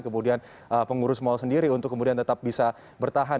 kemudian pengurus mal sendiri untuk kemudian tetap bisa bertahan